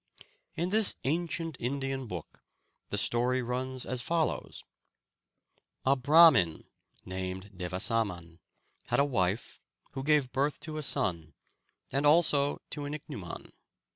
In this ancient Indian book the story runs as follows: A Brahmin named Devasaman had a wife, who gave birth to a son, and also to an ichneumon.